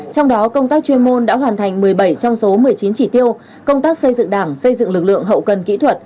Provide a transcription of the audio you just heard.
trong đó công tác chuyên môn đã hoàn thành một mươi bảy trong số một mươi chín chỉ tiêu công tác xây dựng đảng xây dựng lực lượng hậu cần kỹ thuật